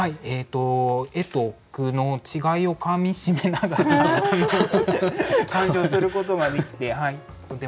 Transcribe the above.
絵と句の違いをかみしめながら鑑賞することができてとても楽しかったです。